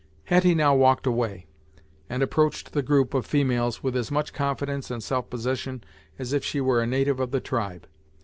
Hetty now walked away, and approached the group of females with as much confidence and self possession as if she were a native of the tribe.